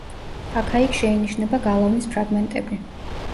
აქა-იქ შეინიშნება გალავნის ფრაგმენტები.